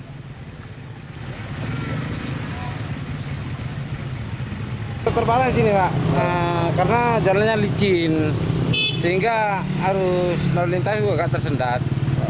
hingga arus lalu lintas juga tersendat